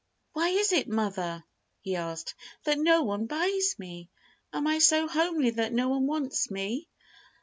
"Why is it, mother," he asked, "that no one buys me? Am I so homely that no one wants me?"